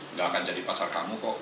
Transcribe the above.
nggak akan jadi pasar kamu kok